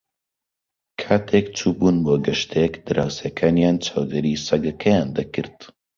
کاتێک چوو بوون بۆ گەشتێک، دراوسێکانیان چاودێریی سەگەکەیان دەکرد.